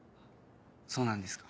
そうなんですか。